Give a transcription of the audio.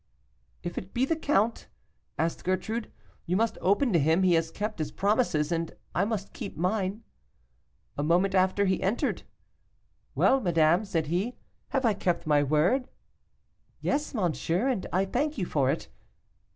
"'If it be the count?' asked Gertrude. 'You must open to him; he has kept his promises, and I must keep mine.' A moment after he entered. 'Well, madame,' said he, 'have I kept my word?' 'Yes, monsieur, and I thank you for it.